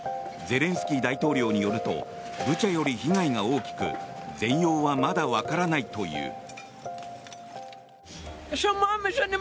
ゼレンスキー大統領によるとブチャより被害が大きく全容はまだわからないという。